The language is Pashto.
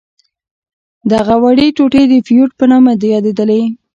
دغه وړې ټوټې د فیوډ په نامه یادیدلې.